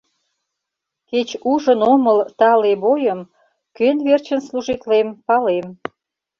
Кеч ужын омыл тале бойым, Кӧн верчын служитлем, палем.